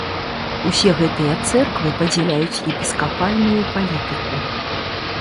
Усе гэтыя цэрквы падзяляюць епіскапальную палітыку.